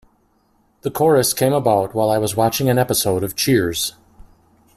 The chorus came about while I was watching an episode of "Cheers".